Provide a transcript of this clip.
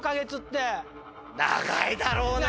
長いだろうね。